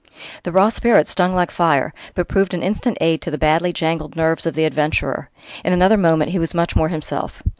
The raw spirits stung like fire, but proved an instant aid to the badly jangled nerves of the adventurer. In another moment he was much more himself.